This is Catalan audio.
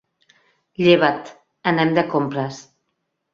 Lleva't, anem de compres.